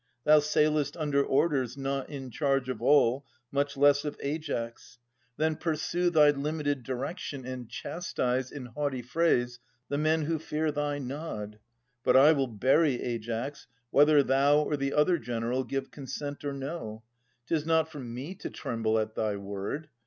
Thou sailedst under orders, not in charge Of all, much less of Aias. Then pursue ito7 ii35] At'as 91 Thy limited direction, and chastise, In haughty phrase, the men who fear thy nod. But I will bury Aias, whether thou Or the other general give consent or no. 'Tis not for me to tremble at thy word.